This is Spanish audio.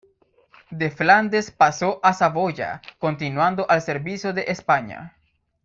De Flandes pasó a Saboya, continuando al servicio de España.